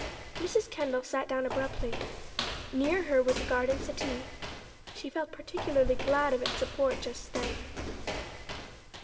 Mrs. Kendall sat down abruptly. Near her was a garden settee. She felt particularly glad of its support just then.